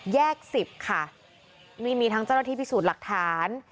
สิบค่ะนี่มีทั้งเจ้าหน้าที่พิสูจน์หลักฐาน